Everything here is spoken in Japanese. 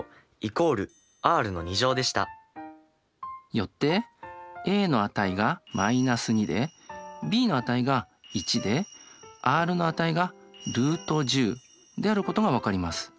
よってａの値が−２でｂの値が１でｒの値がルート１０であることが分かります。